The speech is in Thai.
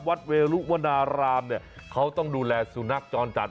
เวรุวนารามเนี่ยเขาต้องดูแลสุนัขจรจัด